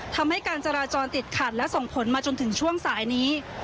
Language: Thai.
ทำให้การจราจรติดขัดและส่งผลมาจนถึงช่วงสายนี้